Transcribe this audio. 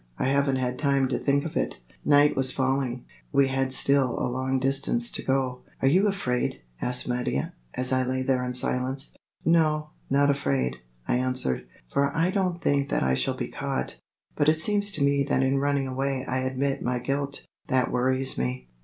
I haven't had time to think of it." Night was falling. We had still a long distance to go. "Are you afraid?" asked Mattia, as I lay there in silence. "No, not afraid," I answered, "for I don't think that I shall be caught. But it seems to me that in running away I admit my guilt. That worries me."